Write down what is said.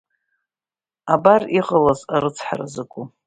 Абар иҟалаз арыцҳара закәу…